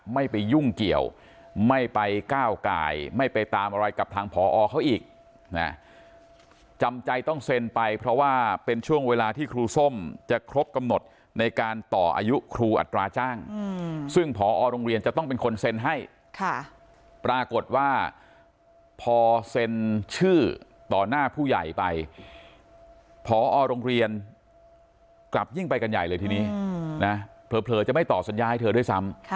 ไม่ไปยุ่งเกี่ยวไม่ไปก้าวไก่ไม่ไปตามอะไรกับทางผอเขาอีกนะจำใจต้องเซ็นไปเพราะว่าเป็นช่วงเวลาที่ครูส้มจะครบกำหนดในการต่ออายุครูอัตราจ้างซึ่งพอโรงเรียนจะต้องเป็นคนเซ็นให้ปรากฏว่าพอเซ็นชื่อต่อหน้าผู้ใหญ่ไปพอโรงเรียนกลับยิ่งไปกันใหญ่เลยทีนี้นะเผลอจะไม่ต่อสัญญาให้เธอด้วยซ้ำ